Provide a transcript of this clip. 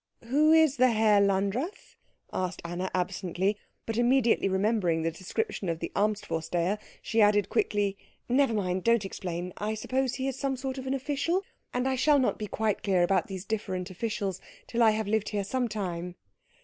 "Who is the Herr Landrath?" asked Anna absently; but immediately remembering the description of the Amtsvorsteher she added quickly, "Never mind don't explain. I suppose he is some sort of an official, and I shall not be quite clear about these different officials till I have lived here some time."